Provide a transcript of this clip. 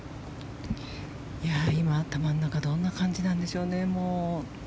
今、頭の中どんな感じなんでしょうね。